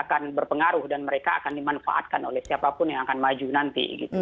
akan berpengaruh dan mereka akan dimanfaatkan oleh siapapun yang akan maju nanti